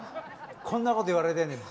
こんなこと言われてんねん。